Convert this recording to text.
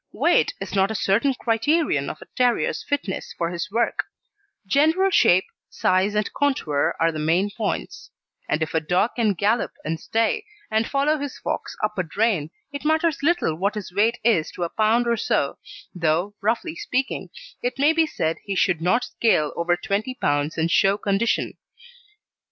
Weight is not a certain criterion of a terrier's fitness for his work general shape, size and contour are the main points; and if a dog can gallop and stay, and follow his fox up a drain, it matters little what his weight is to a pound or so, though, roughly speaking, it may be said he should not scale over twenty pounds in show condition.